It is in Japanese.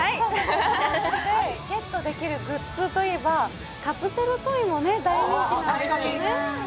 ここでゲットできるグッズといえばカプセルトイも大人気なんですよね。